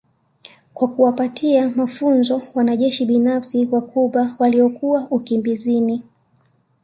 kwa kuwapatia mafunzo wanajeshi binafsi wa Cuba waliokuwa ukimbizini